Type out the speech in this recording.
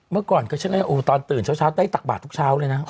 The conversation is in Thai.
เมื่อก่อนก็ฉันก็ตอนตื่นเช้าได้ตักบาททุกเช้าเลยนะ